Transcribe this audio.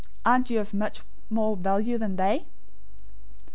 Aren't you of much more value than they?